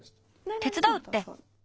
「手つだうって」。